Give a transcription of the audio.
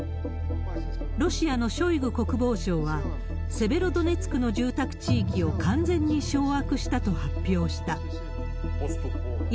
ロシアのショイグ国防相は、セベロドネツクの住宅地域を完全に掌握したと発表した。